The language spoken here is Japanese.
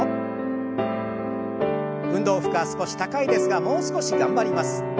運動負荷少し高いですがもう少し頑張ります。